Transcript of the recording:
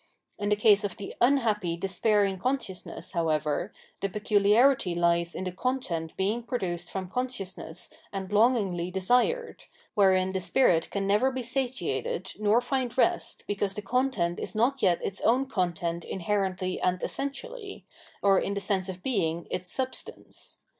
In the case of the " unhappy " despairing consciousness, however, the peculiarity lies in the con tent being produced from consciousness and longingly desired, wherein the spirit can never be satiated nor find rest because the content is not yet its own content inherently and essentially, or in the sense of being its substance.